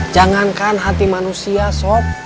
jangankan hati manusia sob